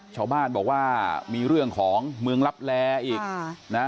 ชาวบ้านบอกว่ามีเรื่องของเมืองลับแลอีกนะ